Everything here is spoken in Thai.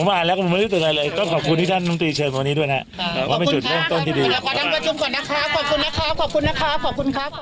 เราก็ดัมประชุมก่อนนะครับขอบคุณนะครับ